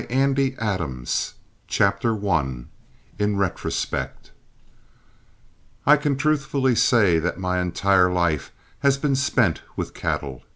IN CONCLUSION CHAPTER I IN RETROSPECT I can truthfully say that my entire life has been spent with cattle.